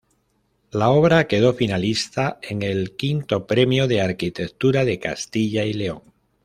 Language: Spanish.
La obra quedó finalista en el V Premio de Arquitectura de Castilla y León.